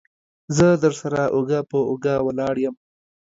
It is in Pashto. زه درسره اوږه په اوږه ولاړ يم.